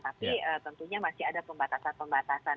tapi tentunya masih ada pembatasan pembatasan